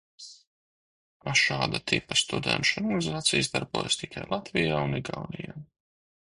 Šāda tipa studenšu organizācijas darbojas tikai Latvijā un Igaunijā.